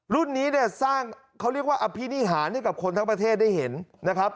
รุ่นนี้เนี่ยสร้างเขาเรียกว่าอภินิหารให้กับคนทั้งประเทศได้เห็นนะครับ